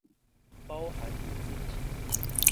包含你自己